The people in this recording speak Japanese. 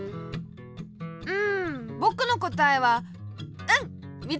うんぼくのこたえはうんみつけた！